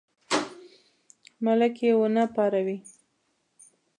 ملک یې ونه پاروي.